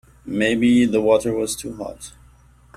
Maybe the water was too hot.